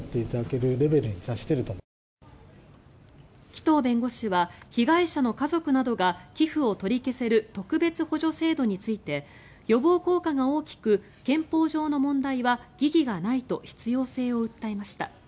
紀藤弁護士は被害者の家族などが寄付を取り消せる特別補助制度について予防効果が大きく憲法上の問題は疑義がないと必要性を訴えました。